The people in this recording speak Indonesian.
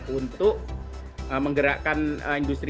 untuk menggerakkan industri